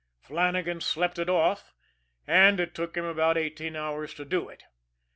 Flannagan slept it off, and it took about eighteen hours to do it.